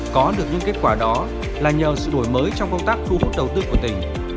có được những kết quả đó là nhờ sự đổi mới trong công tác thu hút đầu tư của tỉnh